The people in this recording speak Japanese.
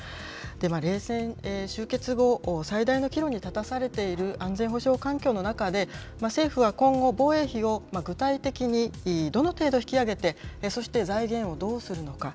冷戦終結後、最大の岐路に立たされている安全保障環境の中で、政府は今後、防衛費を具体的にどの程度引き上げて、そして、財源をどうするのか。